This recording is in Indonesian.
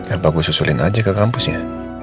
apa gue susulin aja ke kampus ya